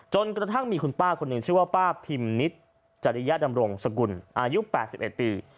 จนกระทั่งมีคุณป้าคนหนึ่งชื่อว่าป้าพิมนิดจริยดำรงสกุลอายุ๘๑ปี